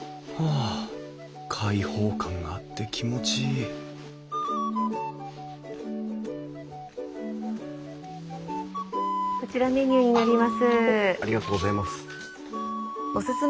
あ開放感があって気持ちいいこちらメニューになります。